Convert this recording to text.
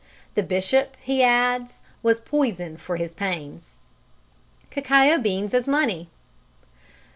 The Bishop, he adds, was poisoned for his pains. _Cacao Beans as Money.